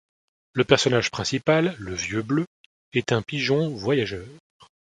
Le personnage principal, le vieux bleu, est un pigeon voyageur.